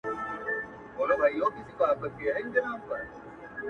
چي په تا یې رنګول زاړه بوټونه!.